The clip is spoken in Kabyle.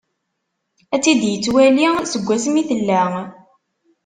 Ad-tt-id-yettwali, seg wass mi tella.